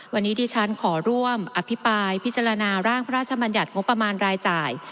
วันนี้ที่ฉันขอร่วมอภิปรายพิจารณาร่างพระราชมัญญัติงบประมาณรายจ่าย